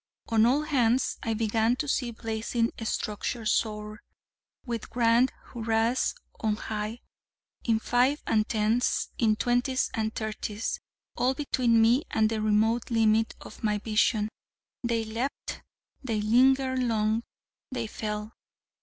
On all hands I began to see blazing structures soar, with grand hurrahs, on high. In fives and tens, in twenties and thirties, all between me and the remote limit of my vision, they leapt, they lingered long, they fell.